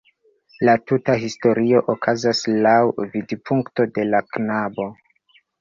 La tuta historio okazas laŭ vidpunkto de la knabo.